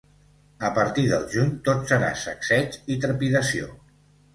A partir del juny, tot serà sacseig i trepidació.